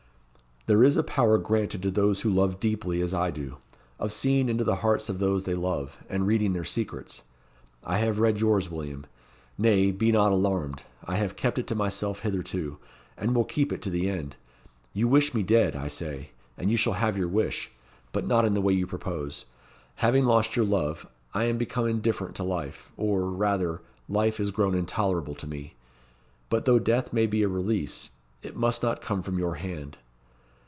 "There is a power granted to those who love deeply as I do, of seeing into the hearts of those they love, and reading their secrets. I have read yours, William. Nay, be not alarmed. I have kept it to myself hitherto, and will keep it to the end. You wish me dead, I say; and you shall have your wish but not in the way you propose. Having lost your love, I am become indifferent to life or, rather, life is grown intolerable to me. But though death may be a release, it must not come from your hand."